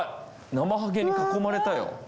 ナマハゲに囲まれたよ。